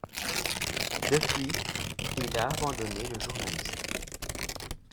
Depuis, il a abandonné le journalisme.